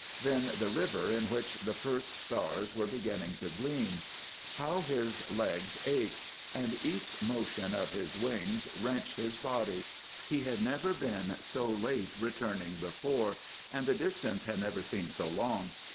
Then the river, in which the first stars were beginning to gleam. How his legs ached, and each motion of his wings wrenched his body. He had never been so late returning before, and the distance had never seemed so long.